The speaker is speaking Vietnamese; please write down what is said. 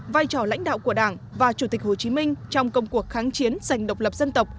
vai trò lãnh đạo của đảng và chủ tịch hồ chí minh trong công cuộc kháng chiến dành độc lập dân tộc